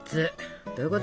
どういうこと？